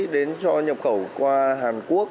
đến cho nhập khẩu qua hàn quốc